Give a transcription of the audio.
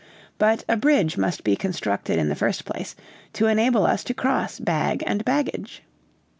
But a bridge must be constructed in the first place, to enable us to cross bag and baggage."